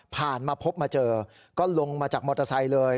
มาพบมาเจอก็ลงมาจากมอเตอร์ไซค์เลย